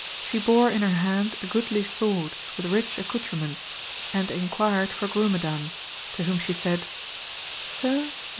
She bore in her hand a goodly sword, with rich accoutrements, and enquired for Grumedan, to whom she said, Sir, the.